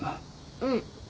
うん。